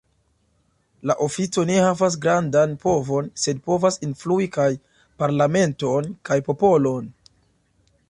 La ofico ne havas grandan povon, sed povas influi kaj parlamenton kaj popolon.